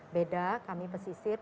beda kami pesisir